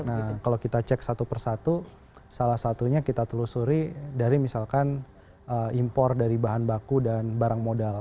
nah kalau kita cek satu persatu salah satunya kita telusuri dari misalkan impor dari bahan baku dan barang modal